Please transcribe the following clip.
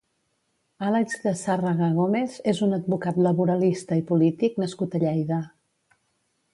Àlex de Sárraga Gómez és un advocat laboralista i polític nascut a Lleida.